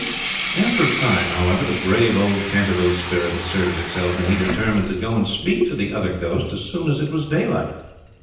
After a time, however, the brave old Canterville spirit asserted itself, and he determined to go and speak to the other ghost as soon as it was daylight.